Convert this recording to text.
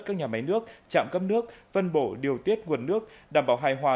các nhà máy nước trạm cấp nước phân bổ điều tiết nguồn nước đảm bảo hài hòa